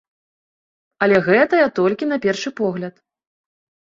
Але гэтая толькі на першы погляд.